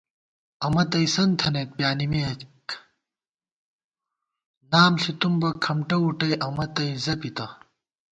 امَنہ تَئیسَن تھنَئیت پیانِمېک، نام ݪِتُم بہ کھمٹہ وُٹَئ امہ تئ زَپِتہ